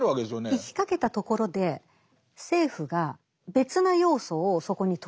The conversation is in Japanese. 行きかけたところで政府が別な要素をそこに投入した。